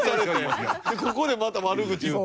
でここでまた悪口言うて。